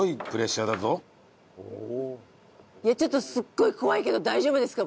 いやこれちょっとすごい怖いけど大丈夫ですか？